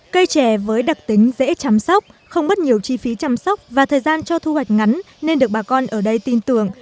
cây trẻ với đặc tính dễ chăm sóc không mất nhiều chi phí chăm sóc và thời gian cho thu hoạch ngắn nên được bà con ở đây tin tưởng